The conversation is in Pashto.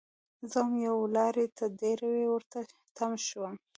زه وم یو لاروی؛ تر ډيرو ورته تم شوم